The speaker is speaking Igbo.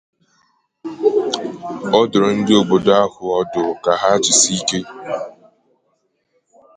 Ọ dụrụ ndị obodo ahụ ọdụ ka ha jisie ike